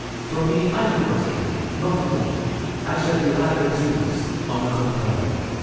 For me I do not care not at all I shall be rather pleased, on the contrary.